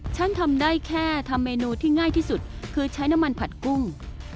ฉันทำได้แค่ทำเมนูที่ง่ายที่สุดคือใช้น้ำมันผัดกุ้ง